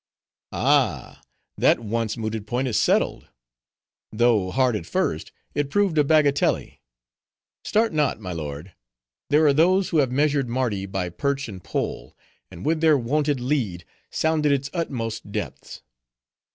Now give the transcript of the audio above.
"Ah, that once mooted point is settled. Though hard at first, it proved a bagatelle. Start not my lord; there are those who have measured Mardi by perch and pole, and with their wonted lead sounded its utmost depths.